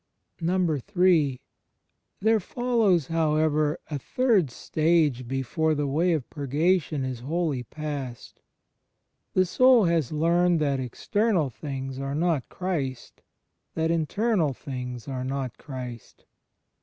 in. There follows, however, a third stage before the Way of Purgation is wholly passed. The soul has learned that external things are not Christ; that internal CHRIST IN THE INTERIOR SOUL 29 things are not Christ.